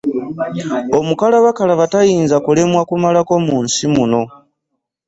Omukalabakalaba tayinza kulemwa kumalako mu nsi muno.